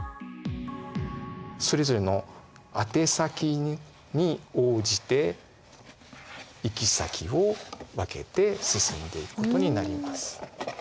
それぞれのあて先に応じて行き先を分けて進んでいくことになります。